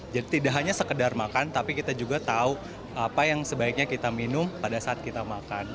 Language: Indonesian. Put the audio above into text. jadi tidak hanya sekedar makan tapi kita juga tahu apa yang sebaiknya kita minum pada saat kita makan